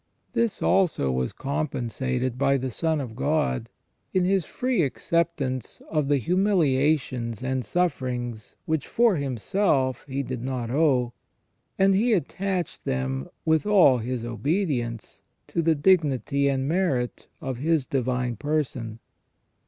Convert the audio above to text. This also was compensated by the Son of God, in His free accept ance of the humiliations and sufferings which for Himself He did not owe, and He attached them with all His obedience to the dignity and merit of His divine Person.